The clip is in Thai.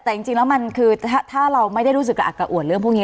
แต่จริงแล้วมันคือถ้าเราไม่ได้รู้สึกกระอักกระอวดเรื่องพวกนี้